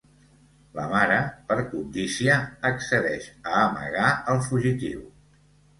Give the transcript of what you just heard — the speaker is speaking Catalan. La mare, per cobdícia, accedeix a amagar al fugitiu.